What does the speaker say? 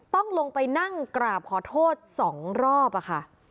ต้องลงไปนั่งกราบขอโทษ๒รอบอะค่ะ